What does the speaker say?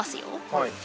はい。